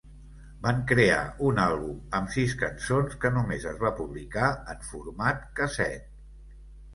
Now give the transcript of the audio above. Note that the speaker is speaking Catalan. Van crear un àlbum amb sis cançons que només es va publicar en format casset.